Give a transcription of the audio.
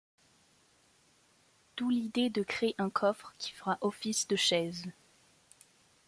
D'où l'idée de créer un coffre qui fera office de chaise.